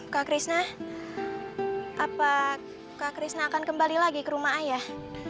kak krishna apa kak krishna akan kembali lagi ke rumah ayah